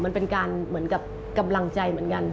มันเป็นการเหมือนกับกำลังใจเหมือนกัน